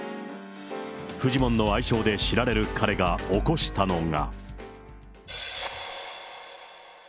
フジモンの愛称で知られる彼が起こしたのが。